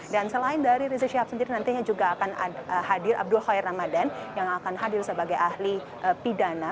dan selain dari zik sihab sendiri nantinya juga akan hadir abdul khair ramadan yang akan hadir sebagai ahli pidana